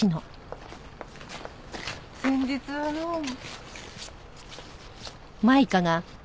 先日はどうも。